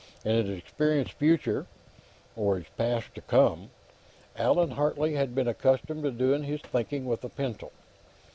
In his experienced future or his past to come Allan Hartley had been accustomed to doing his thinking with a pencil.